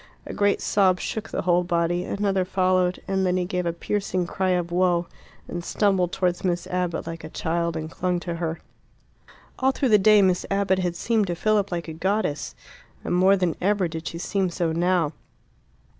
A great sob shook the whole body, another followed, and then he gave a piercing cry of woe, and stumbled towards Miss Abbott like a child and clung to her. All through the day Miss Abbott had seemed to Philip like a goddess, and more than ever did she seem so now.